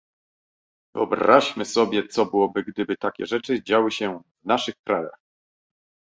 Wyobraźmy sobie, co byłoby, gdyby takie rzeczy działy się w naszych krajach